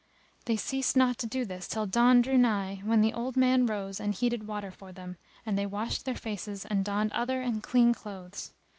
" They ceased not to do this till dawn drew nigh, when the old man rose and heated water for them; and they washed their faces, and donned other and clean clothes.